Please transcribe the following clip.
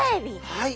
はい。